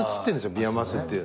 ビワマスっていう。